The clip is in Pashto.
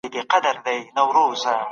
کمپيوټر حساب چک کوي.